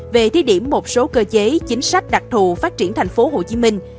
về thiết điểm một số cơ chế chính sách đặc thù phát triển thành phố hồ chí minh